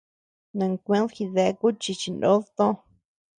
Nankued jidéaku chi chinod toó.